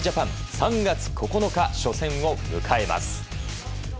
３月９日、初戦を迎えます。